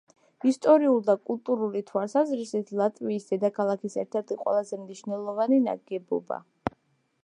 ისტორიული და კულტურული თვალსაზრისით ლატვიის დედაქალაქის ერთ-ერთი ყველაზე მნიშვნელოვანი ნაგებობა.